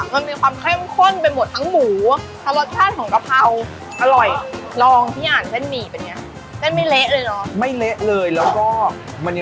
แต่พี่อ่านรู้ไหมว่าหมูหมักนี่ลึกเฮีย